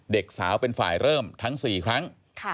เด็กสาวเป็นฝ่ายเริ่มทั้ง๔ครั้ง